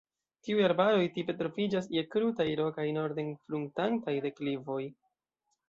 Tiuj arbaroj tipe troviĝas je krutaj, rokaj norden-fruntantaj deklivoj.